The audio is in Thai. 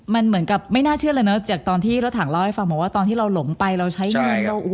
มันเหมือนกับไม่น่าเชื่อเลยเนอะจากตอนที่รถถังเล่าให้ฟังบอกว่าตอนที่เราหลงไปเราใช้งาน